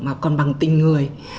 mà còn bằng tình người